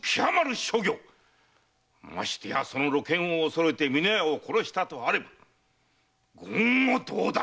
ましてや露見を恐れて美濃屋を殺したとあれば言語道断！